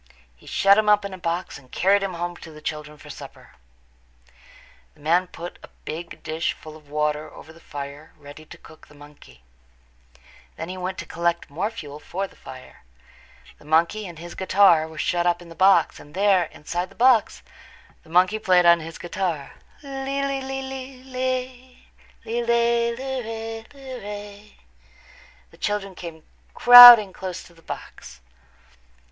He shut him up in a box and carried him home to the children for supper. The man put a big dish full of water over the fire ready to cook the monkey. Then he went away to collect more fuel for the fire. The monkey and his guitar were shut up in the box, and there, inside the box, the monkey played on his guitar. "Lee, lee, lee, lee, lee lay, lee lay, lee ray, lee ray." The children came crowding close to the box.